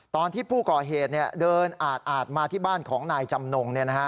ตอนที่ผู้ก่อเหตุเดินอาดมาที่บ้านของนายจำนง